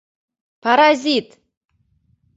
— Паразит!